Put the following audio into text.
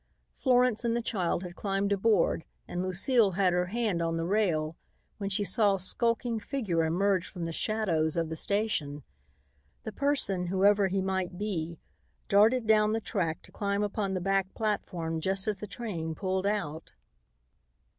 Florence and the child had climbed aboard and Lucile had her hand on the rail when she saw a skulking figure emerge from the shadows of the station. The person, whoever he might be, darted down the track to climb upon the back platform just as the train pulled out.